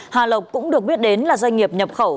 hà lộc cũng được biết đến là doanh nghiệp nhập khẩu